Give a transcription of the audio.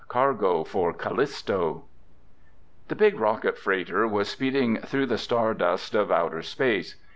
CARGO FOR CALLISTO The big rocket freighter was speeding through the star dust of outer space.